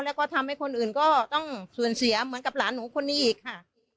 แล้วก็ทำให้คนอื่นก็ต้องสูญเสียเหมือนกับหลานหนูคนนี้อีกค่ะ